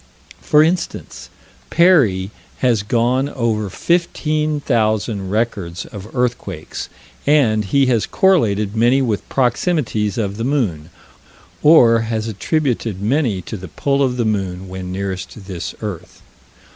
For instance, Perrey has gone over 15,000 records of earthquakes, and he has correlated many with proximities of the moon, or has attributed many to the pull of the moon when nearest this earth.